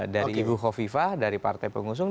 dari ibu kofifah dari partai pengusung